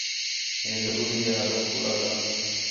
ہے ضروری ہے ہدف پورا کرݨ